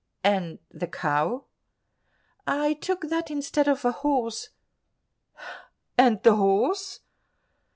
"And the cow?" "I took that instead of a horse." "And the horse?"